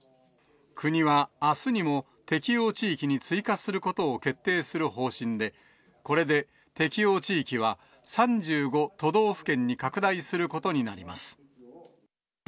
国はあすにも、適用地域に追加することを決定する方針で、これで適用地域は３５都道府県に拡大することになります。